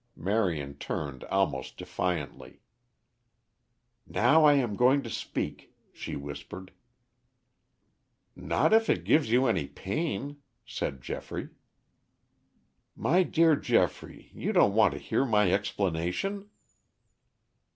Marion turned almost defiantly. "Now I am going to speak," she whispered. "Not if it gives you any pain," said Geoffrey. "My dear Geoffrey, you don't want to hear my explanation!"